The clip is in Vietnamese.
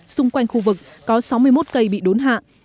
xung quanh khu vực có sáu mươi một cây bị đốn hạ